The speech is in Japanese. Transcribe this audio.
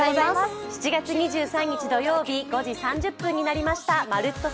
７月２３日土曜日５時３０分になりました「まるっと！